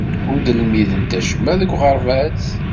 Ur d-lmidemt acemma deg uɣerbaz.